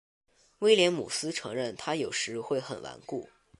威廉姆斯承认他有时会很顽固。